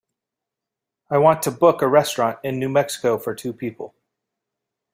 I want to book a restaurant in New Mexico for two people.